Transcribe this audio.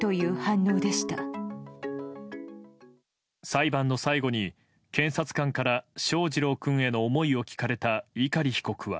裁判の最後に検察官から翔士郎君への思いを聞かれた碇被告は。